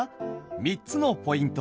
３つのポイント。